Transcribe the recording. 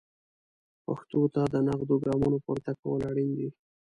پښتو ته د نغدو ګامونو پورته کول اړین دي.